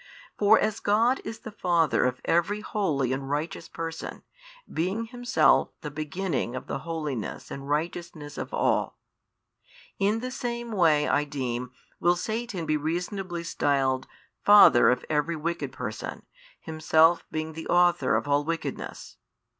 For as God is the Father of every holy and righteous person, being Himself the beginning of the holiness and righteousness of all: in the same way I deem will Satan be reasonably styled father of every wicked person, himself being the author of all wickedness.